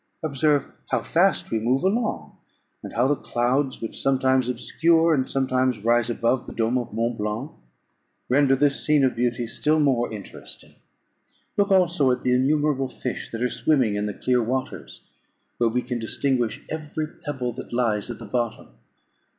Observe how fast we move along, and how the clouds, which sometimes obscure and sometimes rise above the dome of Mont Blanc, render this scene of beauty still more interesting. Look also at the innumerable fish that are swimming in the clear waters, where we can distinguish every pebble that lies at the bottom.